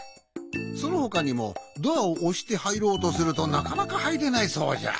そのほかにもドアをおしてはいろうとするとなかなかはいれないそうじゃ。